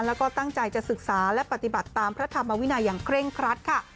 แล้วก็ตั้งใจจะศึกษาและปฏิบัติตามพระธรรมวินัยอย่างเคร่งครัดค่ะ